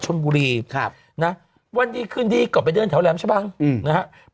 ชนบุรีครับน่ะวันดีคืนดีก่อนไปเดินแถวแหลมชะบังอืม